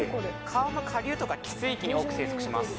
川の下流とか汽水域に多く生息します。